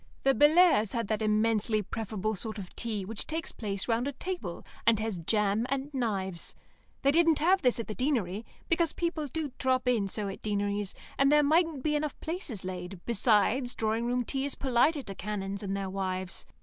The Bellairs' had that immensely preferable sort of tea which takes place round a table, and has jam and knives. They didn't have this at the Deanery, because people do drop in so at Deaneries, and there mightn't be enough places laid, besides, drawing room tea is politer to canons and their wives.